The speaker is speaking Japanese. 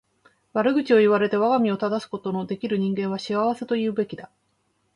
悪口を言われて我が身を正すことの出来る人間は幸せと言うべきだ。